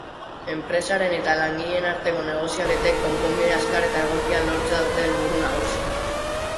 Enpresaren eta langileen arteko negoziaketek konponbide azkar eta egokia lortzea dute helburu nagusi.